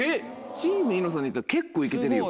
チーム『ニノさん』で行ったら結構行けてるよ。